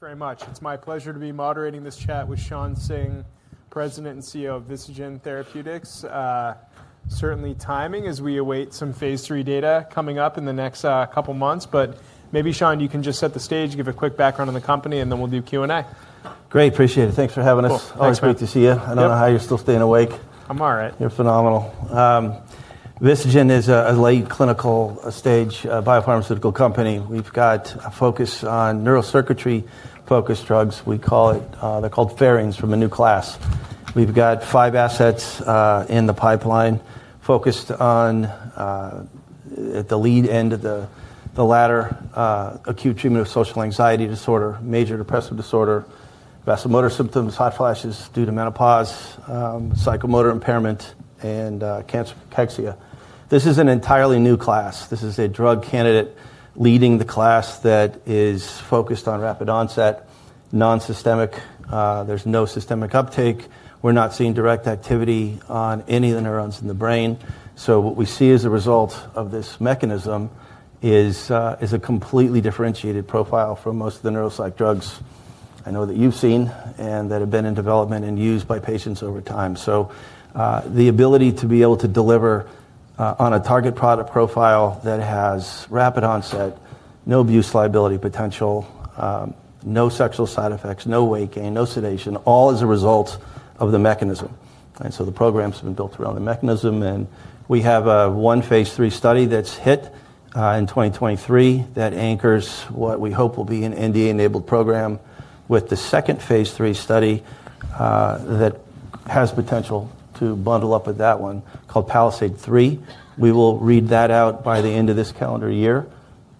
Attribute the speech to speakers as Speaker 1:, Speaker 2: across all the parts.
Speaker 1: Very much. It's my pleasure to be moderating this chat with Shawn Singh, President and CEO of VistaGen Therapeutics. Certainly timing as we await some phase three data coming up in the next couple of months. Maybe, Shawn, you can just set the stage, give a quick background on the company, and then we'll do Q&A.
Speaker 2: Great. Appreciate it. Thanks for having us.
Speaker 1: Of course.
Speaker 2: Always great to see you. I don't know how you're still staying awake.
Speaker 1: I'm all right.
Speaker 2: You're phenomenal. VistaGen is a late clinical-stage biopharmaceutical company. We've got a focus on neurocircuitry-focused drugs. We call it, they're called pherines, from a new class. We've got five assets in the pipeline focused on, at the lead end of the ladder: acute treatment of social anxiety disorder, major depressive disorder, vasomotor symptoms, hot flashes due to menopause, psychomotor impairment, and cancer cachexia. This is an entirely new class. This is a drug candidate leading the class that is focused on rapid onset, non-systemic. There's no systemic uptake. We're not seeing direct activity on any of the neurons in the brain. What we see as a result of this mechanism is a completely differentiated profile from most of the neuropsych drugs I know that you've seen and that have been in development and used by patients over time. The ability to be able to deliver on a target product profile that has rapid onset, no abuse liability potential, no sexual side effects, no weight gain, no sedation, all as a result of the mechanism. The programs have been built around the mechanism. We have one phase three study that's hit in 2023 that anchors what we hope will be an NDA-enabled program with the second phase three study that has potential to bundle up with that one called PALISADE-3. We will read that out by the end of this calendar year.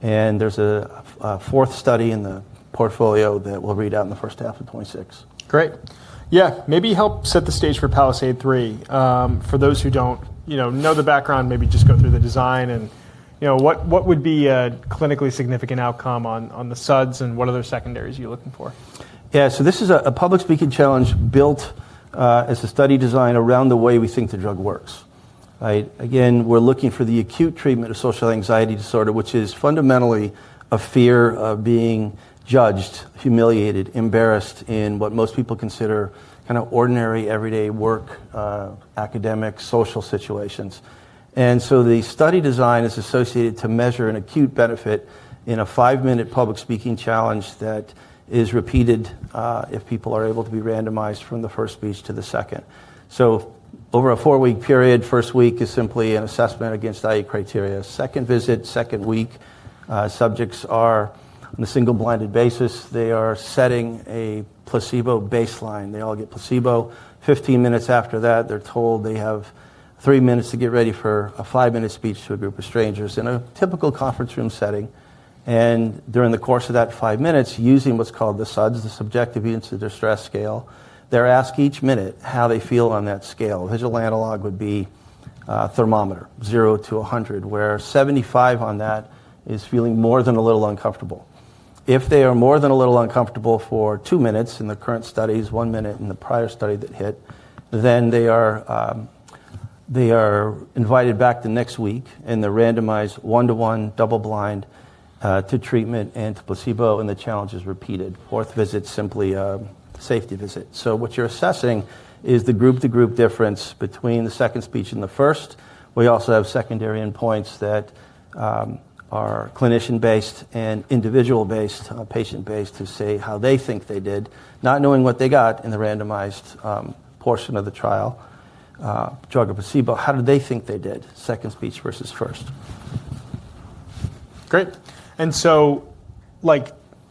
Speaker 2: There's a fourth study in the portfolio that we'll read out in the first half of 2026.
Speaker 1: Great. Yeah. Maybe help set the stage for PALISADE-3. For those who do not know the background, maybe just go through the design. What would be a clinically significant outcome on the SUDS, and what other secondaries are you looking for?
Speaker 2: Yeah. This is a public speaking challenge built as a study design around the way we think the drug works. Again, we're looking for the acute treatment of social anxiety disorder, which is fundamentally a fear of being judged, humiliated, embarrassed in what most people consider kind of ordinary, everyday work, academic, social situations. The study design is associated to measure an acute benefit in a five-minute public speaking challenge that is repeated if people are able to be randomized from the first speech to the second. Over a four-week period, the first week is simply an assessment against IE criteria. The second visit, second week, subjects are on a single blinded basis. They are setting a placebo baseline. They all get placebo. Fifteen minutes after that, they're told they have three minutes to get ready for a five-minute speech to a group of strangers in a typical conference room setting. During the course of that five minutes, using what's called the SUDS, the Subjective Units of Distress Scale, they're asked each minute how they feel on that scale. Visual analog would be thermometer, 0 to 100, where 75 on that is feeling more than a little uncomfortable. If they are more than a little uncomfortable for two minutes in the current studies, one minute in the prior study that hit, they are invited back the next week, and they're randomized one-to-one, double-blind to treatment and to placebo, and the challenge is repeated. Fourth visit, simply a safety visit. What you're assessing is the group-to-group difference between the second speech and the first. We also have secondary endpoints that are clinician-based and individual-based, patient-based, to say how they think they did, not knowing what they got in the randomized portion of the trial, drug or placebo, how did they think they did, second speech versus first.
Speaker 1: Great. And so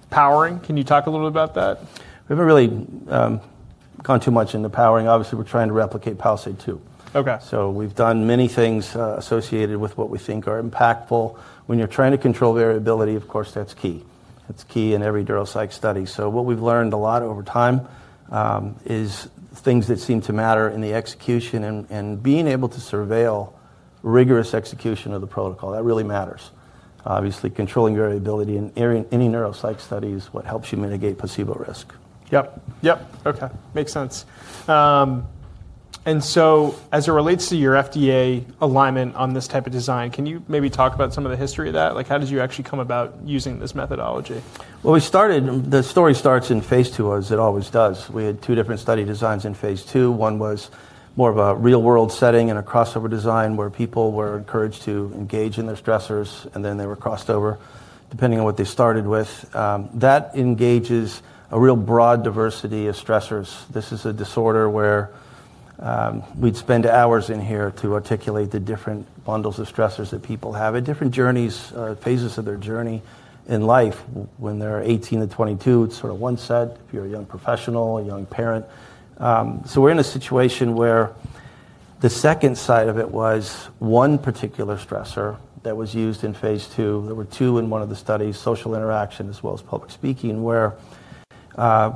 Speaker 1: powering, can you talk a little bit about that?
Speaker 2: We haven't really gone too much into powering. Obviously, we're trying to replicate PALISADE-2.
Speaker 1: Okay.
Speaker 2: We've done many things associated with what we think are impactful. When you're trying to control variability, of course, that's key. That's key in every neuropsych study. What we've learned a lot over time is things that seem to matter in the execution and being able to surveil rigorous execution of the protocol. That really matters. Obviously, controlling variability in any neuropsych study is what helps you mitigate placebo risk.
Speaker 1: Yep. Yep. Okay. Makes sense. As it relates to your FDA alignment on this type of design, can you maybe talk about some of the history of that? How did you actually come about using this methodology?
Speaker 2: The story starts in phase two, as it always does. We had two different study designs in phase two. One was more of a real-world setting and a crossover design where people were encouraged to engage in their stressors, and then they were crossed over, depending on what they started with. That engages a real broad diversity of stressors. This is a disorder where we'd spend hours in here to articulate the different bundles of stressors that people have at different journeys, phases of their journey in life. When they're 18 to 22, it's sort of one set if you're a young professional, a young parent. We are in a situation where the second side of it was one particular stressor that was used in phase two. There were two in one of the studies, social interaction as well as public speaking, where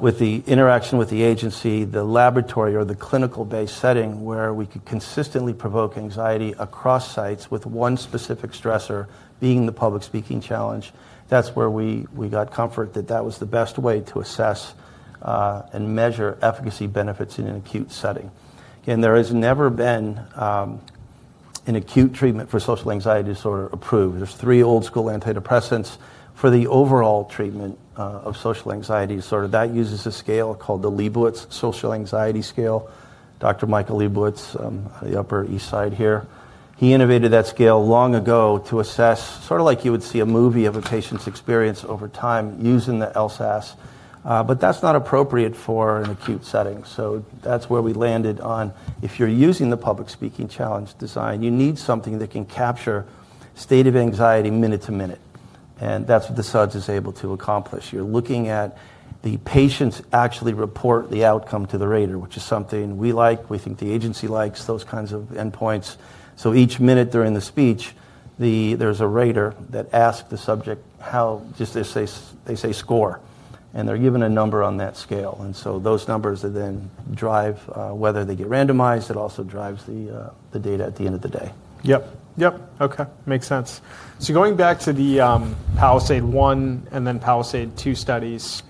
Speaker 2: with the interaction with the agency, the laboratory or the clinical-based setting where we could consistently provoke anxiety across sites with one specific stressor being the public speaking challenge, that's where we got comfort that that was the best way to assess and measure efficacy benefits in an acute setting. Again, there has never been an acute treatment for social anxiety disorder approved. There are three old-school antidepressants for the overall treatment of social anxiety disorder. That uses a scale called the Liebowitz Social Anxiety Scale. Dr. Michael Liebowitz, the Upper East Side here, he innovated that scale long ago to assess sort of like you would see a movie of a patient's experience over time using the LSAS. That is not appropriate for an acute setting. That's where we landed on if you're using the public speaking challenge design, you need something that can capture state of anxiety minute to minute. That's what the SUDS is able to accomplish. You're looking at the patients actually report the outcome to the rater, which is something we like. We think the agency likes those kinds of endpoints. Each minute during the speech, there's a rater that asks the subject, "How?" They say, "Score." They're given a number on that scale. Those numbers then drive whether they get randomized. It also drives the data at the end of the day.
Speaker 1: Yep. Yep. Okay. Makes sense. Going back to the PALISADE-1 and then PALISADE-2 studies,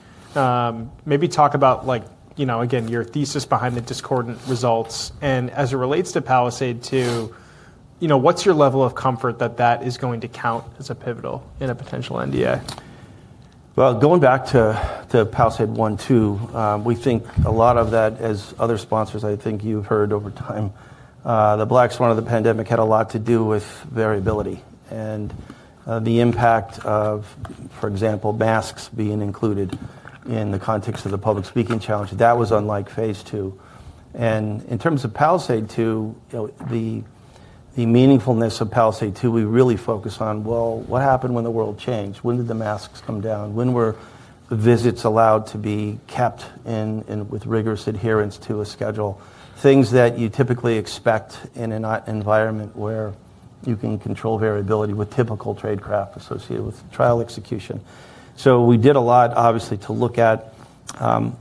Speaker 1: maybe talk about, again, your thesis behind the discordant results. As it relates to PALISADE-2, what's your level of comfort that that is going to count as a pivotal in a potential NDA?
Speaker 2: Going back to PALISADE-1, 2, we think a lot of that, as other sponsors, I think you've heard over time, the black swan of the pandemic had a lot to do with variability and the impact of, for example, masks being included in the context of the public speaking challenge. That was unlike phase two. In terms of PALISADE-2, the meaningfulness of PALISADE-2, we really focus on, well, what happened when the world changed? When did the masks come down? When were the visits allowed to be kept in and with rigorous adherence to a schedule? Things that you typically expect in an environment where you can control variability with typical tradecraft associated with trial execution. We did a lot, obviously, to look at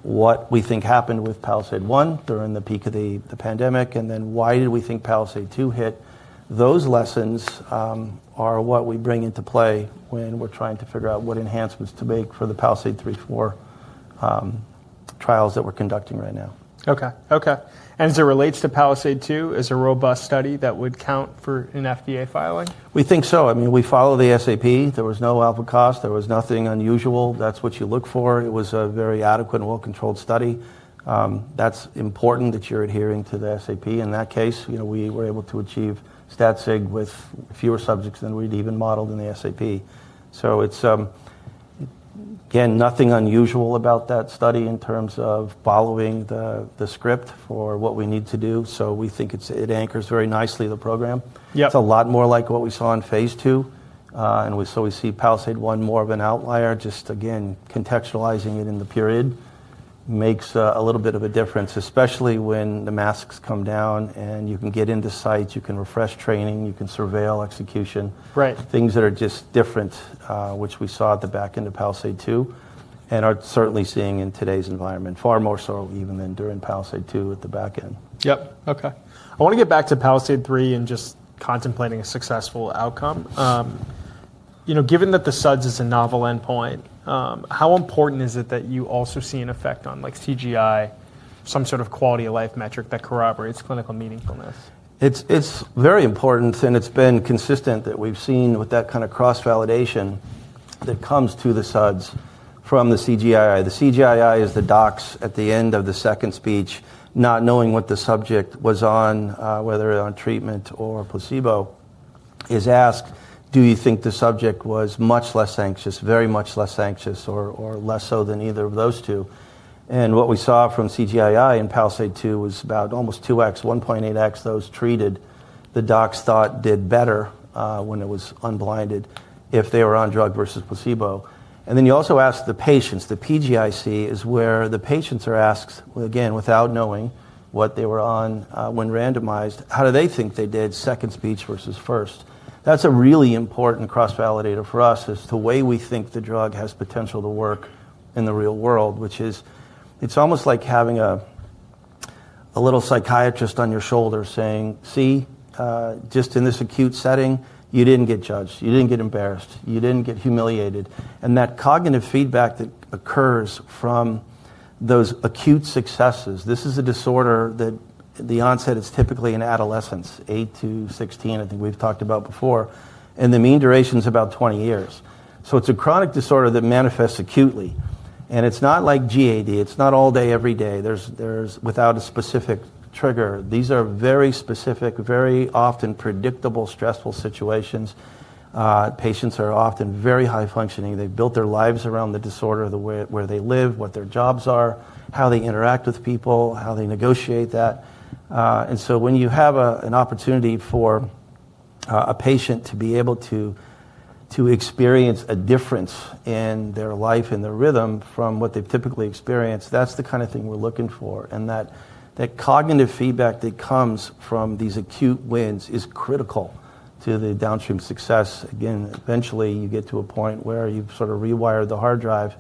Speaker 2: what we think happened with PALISADE-1 during the peak of the pandemic, and then why did we think PALISADE-2 hit. Those lessons are what we bring into play when we're trying to figure out what enhancements to make for the PALISADE-3, 4 trials that we're conducting right now.
Speaker 1: Okay. Okay. As it relates to PALISADE-2, is it a robust study that would count for an FDA filing?
Speaker 2: We think so. I mean, we follow the SAP. There was no alpha cost. There was nothing unusual. That's what you look for. It was a very adequate and well-controlled study. That's important that you're adhering to the SAP. In that case, we were able to achieve stat sig with fewer subjects than we'd even modeled in the SAP. It's, again, nothing unusual about that study in terms of following the script for what we need to do. We think it anchors very nicely the program. It's a lot more like what we saw in phase two. We see PALISADE-1 more of an outlier. Just, again, contextualizing it in the period makes a little bit of a difference, especially when the masks come down and you can get into sites, you can refresh training, you can surveil execution.
Speaker 1: Right.
Speaker 2: Things that are just different, which we saw at the back end of PALISADE-2 and are certainly seeing in today's environment far more so even than during PALISADE-2 at the back end.
Speaker 1: Yep. Okay. I want to get back to PALISADE-3 and just contemplating a successful outcome. Given that the SUDS is a novel endpoint, how important is it that you also see an effect on CGI, some sort of quality of life metric that corroborates clinical meaningfulness?
Speaker 2: It's very important, and it's been consistent that we've seen with that kind of cross-validation that comes to the SUDS from the CGI. The CGI is the docs at the end of the second speech, not knowing what the subject was on, whether on treatment or placebo, is asked, "Do you think the subject was much less anxious, very much less anxious, or less so than either of those two?" What we saw from CGI in PALISADE-2 was about almost 2x, 1.8x those treated. The docs thought did better when it was unblinded if they were on drug versus placebo. You also ask the patients. The PGIC is where the patients are asked, again, without knowing what they were on when randomized, how do they think they did second speech versus first? That's a really important cross-validator for us as to the way we think the drug has potential to work in the real world, which is it's almost like having a little psychiatrist on your shoulder saying, "See, just in this acute setting, you didn't get judged. You didn't get embarrassed. You didn't get humiliated." That cognitive feedback that occurs from those acute successes, this is a disorder that the onset is typically in adolescence, 8 to 16, I think we've talked about before. The mean duration is about 20 years. It is a chronic disorder that manifests acutely. It's not like GAD. It's not all day, every day. There's without a specific trigger. These are very specific, very often predictable, stressful situations. Patients are often very high-functioning. They've built their lives around the disorder, the way where they live, what their jobs are, how they interact with people, how they negotiate that. When you have an opportunity for a patient to be able to experience a difference in their life and their rhythm from what they've typically experienced, that's the kind of thing we're looking for. That cognitive feedback that comes from these acute wins is critical to the downstream success. Eventually, you get to a point where you've sort of rewired the hard drive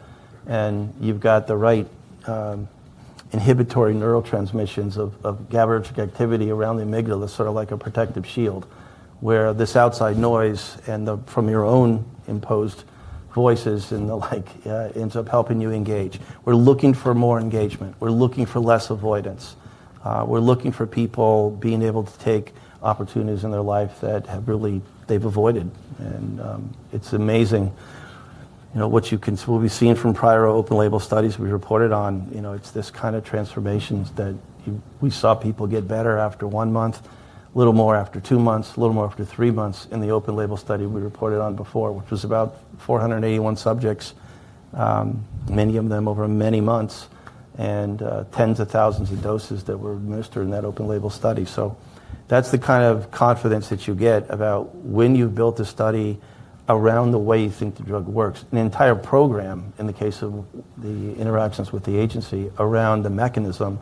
Speaker 2: and you've got the right inhibitory neural transmissions of GABAergic activity around the amygdala, sort of like a protective shield where this outside noise and from your own imposed voices and the like ends up helping you engage. We're looking for more engagement. We're looking for less avoidance. We're looking for people being able to take opportunities in their life that have really they've avoided. It's amazing what you can we've seen from prior open-label studies we reported on. It's this kind of transformations that we saw people get better after one month, a little more after two months, a little more after three months in the open-label study we reported on before, which was about 481 subjects, many of them over many months and tens of thousands of doses that were administered in that open-label study. That's the kind of confidence that you get about when you've built a study around the way you think the drug works, an entire program in the case of the interactions with the agency around the mechanism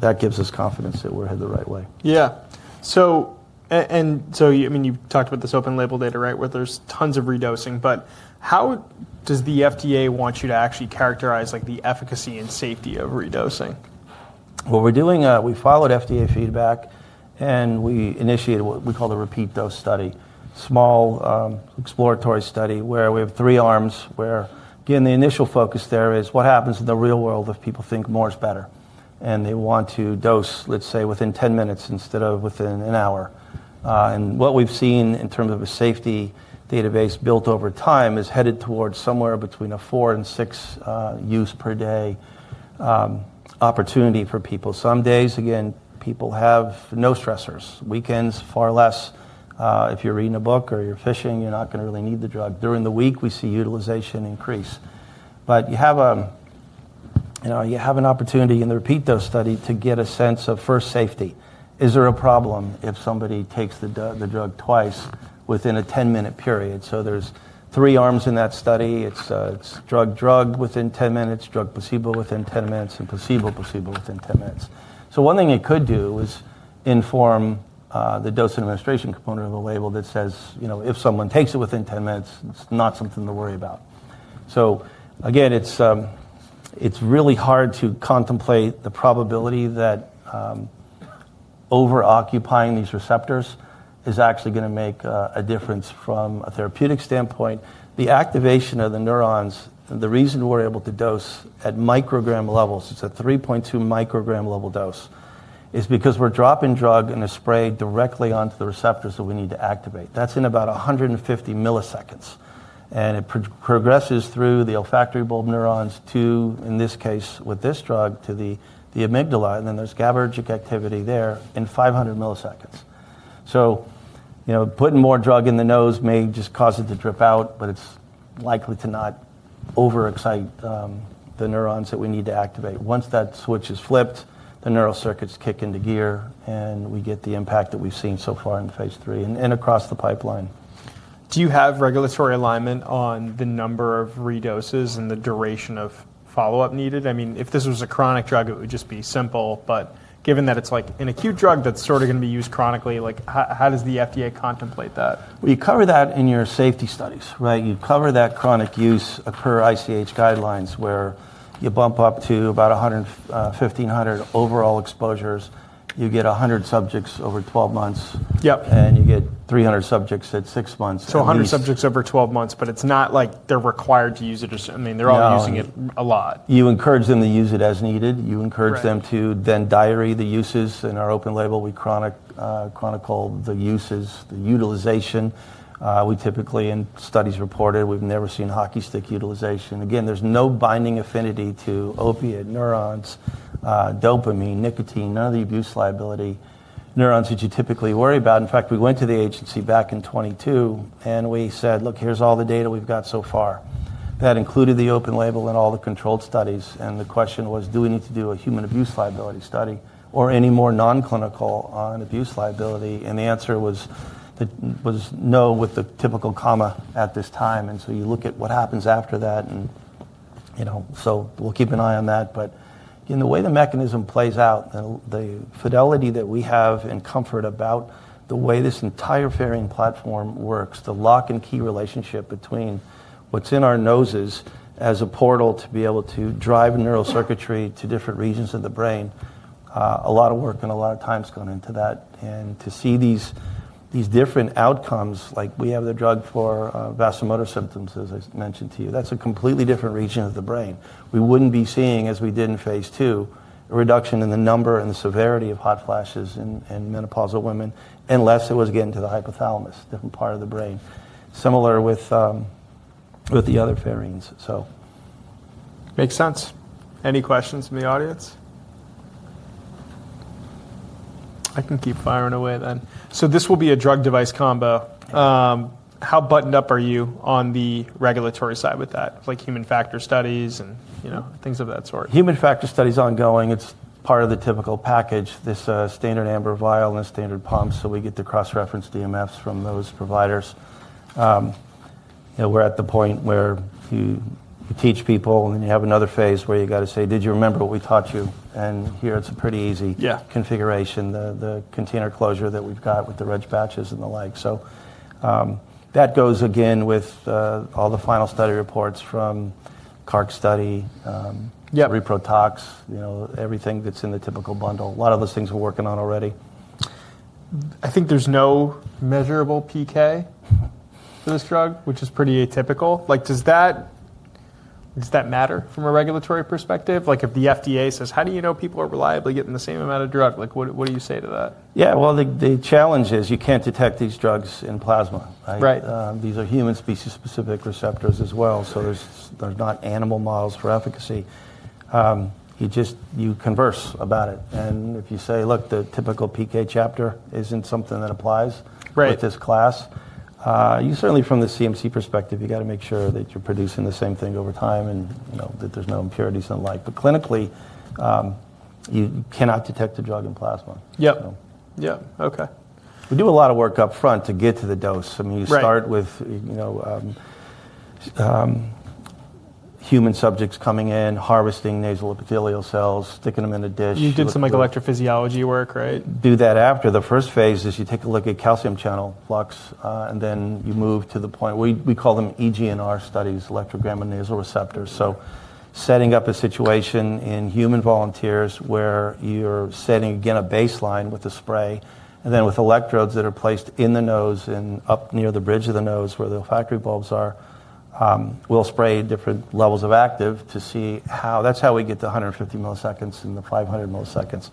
Speaker 2: that gives us confidence that we're headed the right way.
Speaker 1: Yeah. I mean, you talked about this open-label data, right, where there's tons of redosing. How does the FDA want you to actually characterize the efficacy and safety of redosing?
Speaker 2: We followed FDA feedback, and we initiated what we call the repeat dose study, small exploratory study where we have three arms where, again, the initial focus there is what happens in the real world if people think more is better and they want to dose, let's say, within 10 minutes instead of within an hour. What we've seen in terms of a safety database built over time is headed towards somewhere between a four- and six-use-per-day opportunity for people. Some days, again, people have no stressors. Weekends, far less. If you're reading a book or you're fishing, you're not going to really need the drug. During the week, we see utilization increase. You have an opportunity in the repeat dose study to get a sense of first safety. Is there a problem if somebody takes the drug twice within a 10-minute period? There's three arms in that study. It's drug-drug within 10 minutes, drug-placebo within 10 minutes, and placebo-placebo within 10 minutes. One thing it could do is inform the dose administration component of the label that says if someone takes it within 10 minutes, it's not something to worry about. Again, it's really hard to contemplate the probability that over-occupying these receptors is actually going to make a difference from a therapeutic standpoint. The activation of the neurons, the reason we're able to dose at microgram levels, it's a 3.2 microgram level dose, is because we're dropping drug and a spray directly onto the receptors that we need to activate. That's in about 150 milliseconds. It progresses through the olfactory bulb neurons to, in this case, with this drug, to the amygdala. Then there's GABAergic activity there in 500 milliseconds. Putting more drug in the nose may just cause it to drip out, but it's likely to not overexcite the neurons that we need to activate. Once that switch is flipped, the neural circuits kick into gear, and we get the impact that we've seen so far in phase three and across the pipeline.
Speaker 1: Do you have regulatory alignment on the number of redoses and the duration of follow-up needed? I mean, if this was a chronic drug, it would just be simple. Given that it's like an acute drug that's sort of going to be used chronically, how does the FDA contemplate that?
Speaker 2: You cover that in your safety studies, right? You cover that chronic use per ICH guidelines where you bump up to about 1,500 overall exposures. You get 100 subjects over 12 months.
Speaker 1: Yep.
Speaker 2: You get 300 subjects at six months.
Speaker 1: One hundred subjects over 12 months, but it's not like they're required to use it. I mean, they're all using it a lot.
Speaker 2: You encourage them to use it as needed. You encourage them to then diary the uses. In our open label, we chronicle the uses, the utilization. We typically, in studies reported, we've never seen hockey stick utilization. Again, there's no binding affinity to opiate neurons, dopamine, nicotine, none of the abuse liability neurons that you typically worry about. In fact, we went to the agency back in 2022, and we said, "Look, here's all the data we've got so far." That included the open label and all the controlled studies. The question was, "Do we need to do a human abuse liability study or any more non-clinical on abuse liability?" The answer was no with the typical comma at this time. You look at what happens after that. We will keep an eye on that. In the way the mechanism plays out, the fidelity that we have and comfort about the way this entire pherine platform works, the lock-and-key relationship between what's in our noses as a portal to be able to drive neural circuitry to different regions of the brain, a lot of work and a lot of time's gone into that. To see these different outcomes, like we have the drug for vasomotor symptoms, as I mentioned to you, that's a completely different region of the brain. We wouldn't be seeing, as we did in phase two, a reduction in the number and the severity of hot flashes in menopausal women unless it was getting to the hypothalamus, different part of the brain, similar with the other pherines.
Speaker 1: Makes sense. Any questions from the audience? I can keep firing away then. This will be a drug-device combo. How buttoned up are you on the regulatory side with that, like human factor studies and things of that sort?
Speaker 2: Human factor studies ongoing. It's part of the typical package, this standard amber vial and a standard pump. We get to cross-reference DMFs from those providers. We're at the point where you teach people, and then you have another phase where you got to say, "Did you remember what we taught you?" Here, it's a pretty easy configuration, the container closure that we've got with the REG batches and the like. That goes, again, with all the final study reports from CARC study, repro tox, everything that's in the typical bundle. A lot of those things we're working on already.
Speaker 1: I think there's no measurable PK for this drug, which is pretty atypical. Does that matter from a regulatory perspective? If the FDA says, "How do you know people are reliably getting the same amount of drug?" What do you say to that?
Speaker 2: Yeah. The challenge is you can't detect these drugs in plasma. These are human species-specific receptors as well. There are not animal models for efficacy. You converse about it. If you say, "Look, the typical PK chapter isn't something that applies with this class," certainly from the CMC perspective, you have to make sure that you're producing the same thing over time and that there's no impurities and the like. Clinically, you cannot detect the drug in plasma.
Speaker 1: Yep. Yep. Okay.
Speaker 2: We do a lot of work upfront to get to the dose. I mean, you start with human subjects coming in, harvesting nasal epithelial cells, sticking them in a dish.
Speaker 1: You did some like electrophysiology work, right?
Speaker 2: Do that after. The first phase is you take a look at calcium channel flux, and then you move to the point we call them EGNR studies, electrogram and nasal receptors. Setting up a situation in human volunteers where you're setting, again, a baseline with a spray, and then with electrodes that are placed in the nose and up near the bridge of the nose where the olfactory bulbs are, we'll spray different levels of active to see how that's how we get the 150 milliseconds and the 500 milliseconds,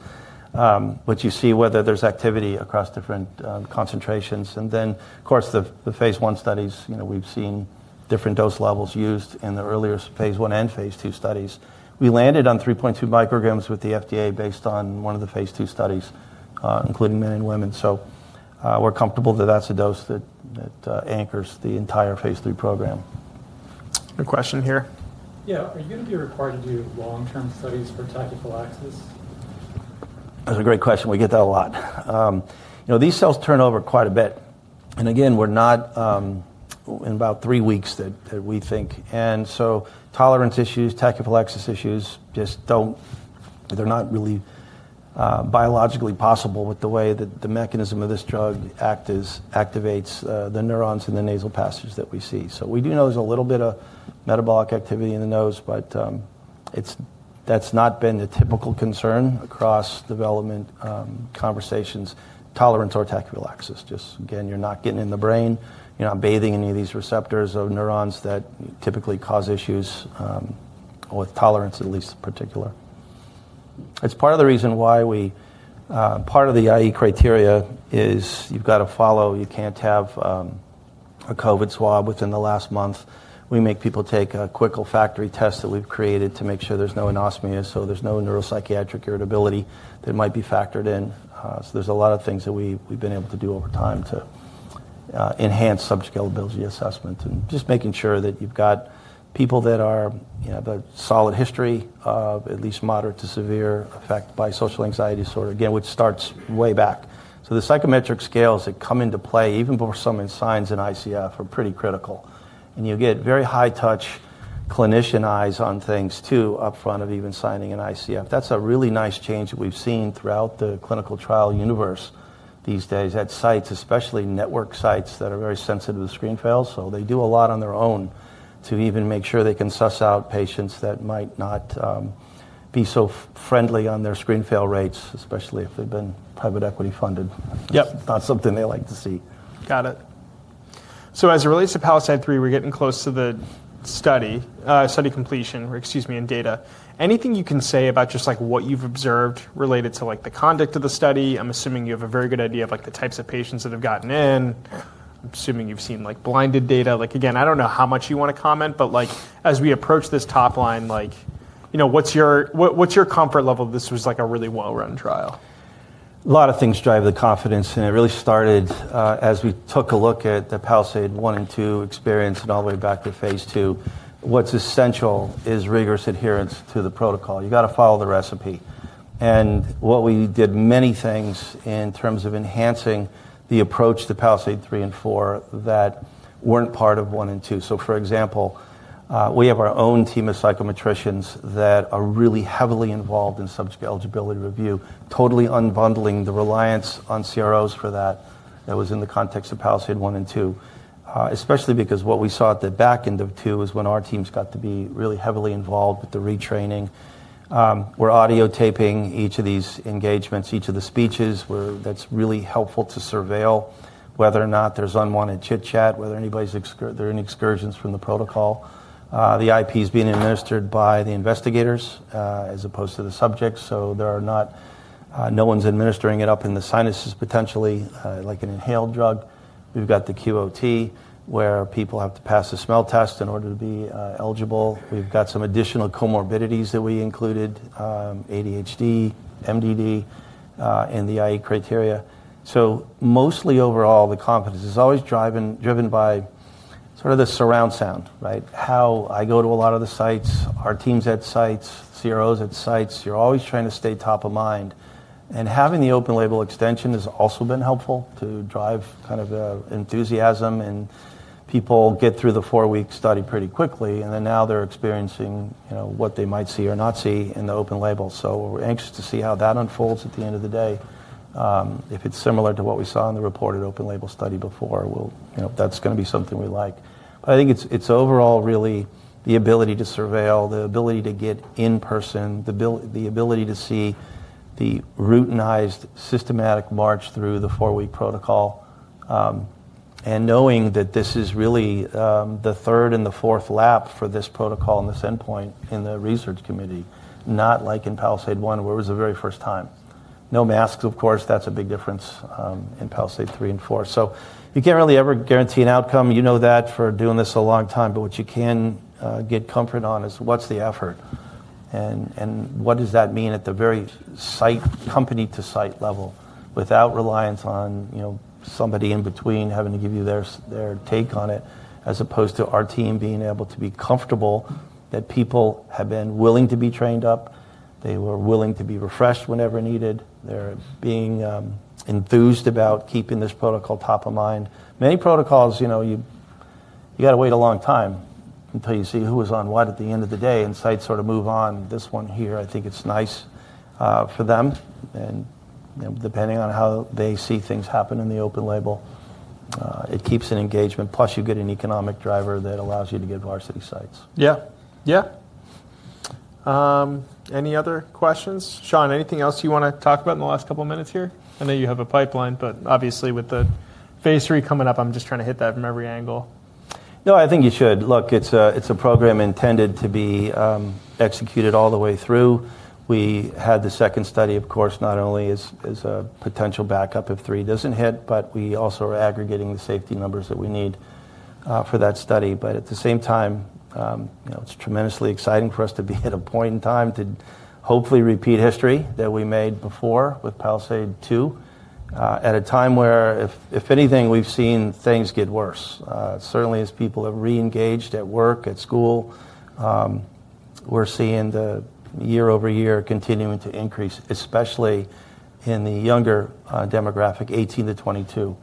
Speaker 2: which you see whether there's activity across different concentrations. Of course, the phase one studies, we've seen different dose levels used in the earlier phase one and phase two studies. We landed on 3.2 micrograms with the FDA based on one of the phase two studies, including men and women. We're comfortable that that's a dose that anchors the entire phase three program.
Speaker 1: A question here. Yeah. Are you going to be required to do long-term studies for tachyphylaxis?
Speaker 2: That's a great question. We get that a lot. These cells turn over quite a bit. Again, we're not in about three weeks that we think. Tolerance issues, tachyphylaxis issues just don't—they're not really biologically possible with the way that the mechanism of this drug activates the neurons in the nasal passages that we see. We do know there's a little bit of metabolic activity in the nose, but that's not been the typical concern across development conversations, tolerance or tachyphylaxis. Again, you're not getting in the brain. You're not bathing any of these receptors or neurons that typically cause issues with tolerance, at least in particular. It's part of the reason why part of the IE criteria is you've got to follow. You can't have a COVID swab within the last month. We make people take a quick olfactory test that we've created to make sure there's no anosmia, so there's no neuropsychiatric irritability that might be factored in. There's a lot of things that we've been able to do over time to enhance subscalability assessment and just making sure that you've got people that have a solid history of at least moderate to severe effect by social anxiety disorder, again, which starts way back. The psychometric scales that come into play, even before signing signs in ICF, are pretty critical. You get very high-touch clinician eyes on things too upfront of even signing an ICF. That's a really nice change that we've seen throughout the clinical trial universe these days at sites, especially network sites that are very sensitive to screen fails. They do a lot on their own to even make sure they can suss out patients that might not be so friendly on their screen fail rates, especially if they've been private equity funded.
Speaker 1: Yep.
Speaker 2: Not something they like to see.
Speaker 1: Got it. As it relates to PALISADE-3, we're getting close to the study completion, excuse me, and data. Anything you can say about just what you've observed related to the conduct of the study? I'm assuming you have a very good idea of the types of patients that have gotten in. I'm assuming you've seen blinded data. Again, I don't know how much you want to comment, but as we approach this top line, what's your comfort level that this was a really well-run trial?
Speaker 2: A lot of things drive the confidence. It really started as we took a look at the PALISADE-1 and PALISADE-2 experience and all the way back to phase two. What's essential is rigorous adherence to the protocol. You got to follow the recipe. We did many things in terms of enhancing the approach to PALISADE-3 and PALISADE-4 that were not part of PALISADE-1 and PALISADE-2. For example, we have our own team of psychometricians that are really heavily involved in subscalability review, totally unbundling the reliance on CROs for that. That was in the context of PALISADE-1 and PALISADE-2, especially because what we saw at the back end of PALISADE-2 is when our teams got to be really heavily involved with the retraining. We are audio taping each of these engagements, each of the speeches. That's really helpful to surveil whether or not there's unwanted chit-chat, whether anybody's there are any excursions from the protocol. The IP is being administered by the investigators as opposed to the subject. So no one's administering it up in the sinuses potentially like an inhaled drug. We've got the QOT where people have to pass a smell test in order to be eligible. We've got some additional comorbidities that we included: ADHD, MDD, and the IE criteria. Mostly overall, the confidence is always driven by sort of the surround sound, right? How I go to a lot of the sites, our teams at sites, CROs at sites, you're always trying to stay top of mind. Having the open label extension has also been helpful to drive kind of enthusiasm. People get through the four-week study pretty quickly. They are experiencing what they might see or not see in the open label. We are anxious to see how that unfolds at the end of the day. If it is similar to what we saw in the reported open label study before, that is going to be something we like. I think it is overall really the ability to surveil, the ability to get in person, the ability to see the routinized systematic march through the four-week protocol, and knowing that this is really the third and the fourth lap for this protocol and this endpoint in the research committee, not like in PALISADE-1 where it was the very first time. No masks, of course. That is a big difference in PALISADE-3 and PALISADE-4. You cannot really ever guarantee an outcome. You know that from doing this a long time. What you can get comfort on is what's the effort and what does that mean at the very site company-to-site level without reliance on somebody in between having to give you their take on it, as opposed to our team being able to be comfortable that people have been willing to be trained up. They were willing to be refreshed whenever needed. They're being enthused about keeping this protocol top of mind. Many protocols, you got to wait a long time until you see who was on what at the end of the day and sites sort of move on. This one here, I think it's nice for them. Depending on how they see things happen in the open label, it keeps an engagement. Plus, you get an economic driver that allows you to get varsity sites.
Speaker 1: Yeah. Yeah. Any other questions? Shawn, anything else you want to talk about in the last couple of minutes here? I know you have a pipeline, but obviously with the phase three coming up, I'm just trying to hit that from every angle.
Speaker 2: No, I think you should. Look, it's a program intended to be executed all the way through. We had the second study, of course, not only as a potential backup if III doesn't hit, but we also are aggregating the safety numbers that we need for that study. At the same time, it's tremendously exciting for us to be at a point in time to hopefully repeat history that we made before with PALISADE-2 at a time where, if anything, we've seen things get worse. Certainly, as people have re-engaged at work, at school, we're seeing the year-over-year continuing to increase, especially in the younger demographic, 18 to 22.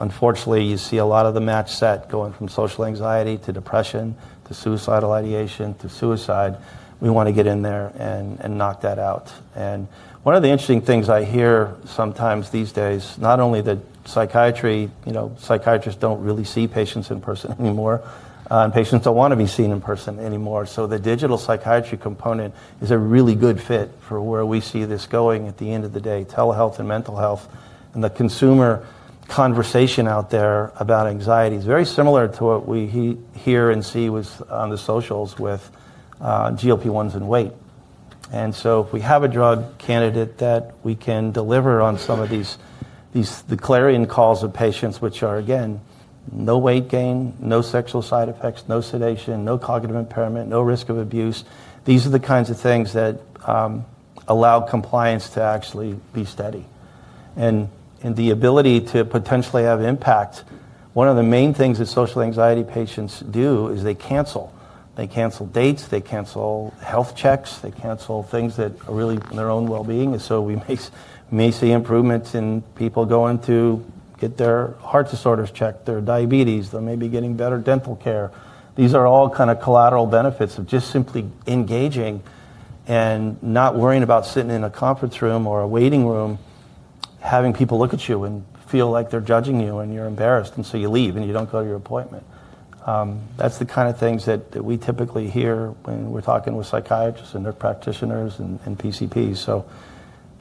Speaker 2: Unfortunately, you see a lot of the match set going from social anxiety to depression to suicidal ideation to suicide. We want to get in there and knock that out. One of the interesting things I hear sometimes these days is not only that psychiatry psychiatrists do not really see patients in person anymore, and patients do not want to be seen in person anymore. The digital psychiatry component is a really good fit for where we see this going at the end of the day: telehealth and mental health. The consumer conversation out there about anxiety is very similar to what we hear and see on the socials with GLP-1 and weight. If we have a drug candidate that we can deliver on some of these declaration calls of patients, which are, again, no weight gain, no sexual side effects, no sedation, no cognitive impairment, no risk of abuse, these are the kinds of things that allow compliance to actually be steady. The ability to potentially have impact, one of the main things that social anxiety patients do is they cancel. They cancel dates. They cancel health checks. They cancel things that are really their own well-being. We may see improvements in people going to get their heart disorders checked, their diabetes. They may be getting better dental care. These are all kind of collateral benefits of just simply engaging and not worrying about sitting in a conference room or a waiting room, having people look at you and feel like they're judging you and you're embarrassed, and you leave and you don't go to your appointment. That's the kind of things that we typically hear when we're talking with psychiatrists and nurse practitioners and PCPs.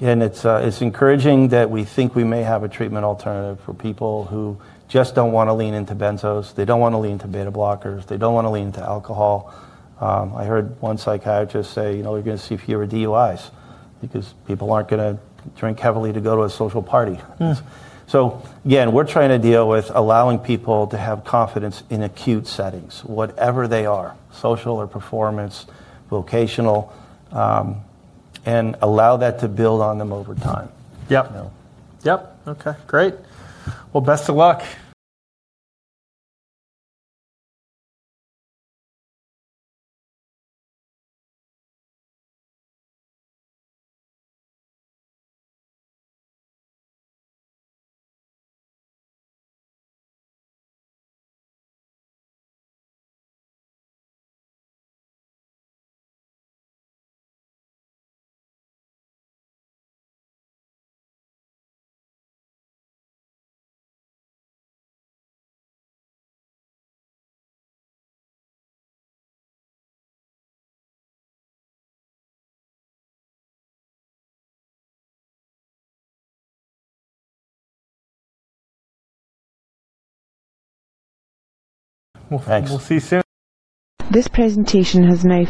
Speaker 2: Again, it's encouraging that we think we may have a treatment alternative for people who just don't want to lean into benzos. They don't want to lean into beta blockers. They don't want to lean into alcohol. I heard one psychiatrist say, "You know, you're going to see fewer DUIs because people aren't going to drink heavily to go to a social party." Again, we're trying to deal with allowing people to have confidence in acute settings, whatever they are, social or performance, vocational, and allow that to build on them over time.
Speaker 1: Yep. Yep. Okay. Great. Best of luck.
Speaker 3: This presentation has been.